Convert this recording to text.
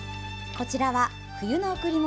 こちらは「冬の贈り物」。